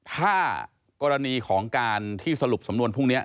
ถ้ากรณีของการที่สรุปสำนวนพรุ่งนี้